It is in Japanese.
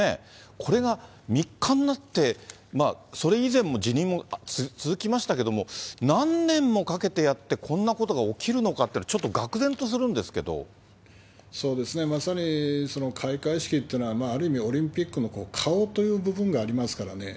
これが３日になって、それ以前も辞任も続きましたけども、何年もかけてやってこんなことが起きるのかっていうのは、ちょっそうですね、まさに開会式というのは、ある意味オリンピックの顔という部分がありますからね。